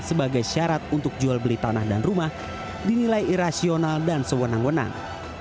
sebagai syarat untuk jual beli tanah dan rumah dinilai irasional dan sewenang wenang